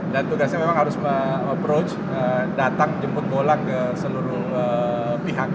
dan tugasnya memang harus approach datang jemput golak ke seluruh pihak